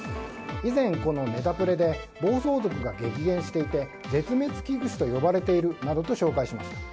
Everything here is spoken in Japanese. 以前、このネタプレで暴走族が激減していて絶滅危惧種と呼ばれているなどと紹介しました。